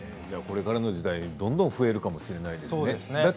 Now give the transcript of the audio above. これからの時代どんどん増えるかもしれないですね。